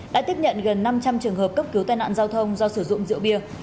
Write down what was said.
đã tiếp nhận gần năm trăm linh trường hợp cấp cứu tai nạn giao thông do sử dụng rượu bia